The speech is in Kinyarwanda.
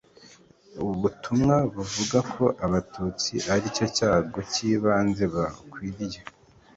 ubutumwa buvuga ko abatutsi ari icyago k ibanze bakwiriye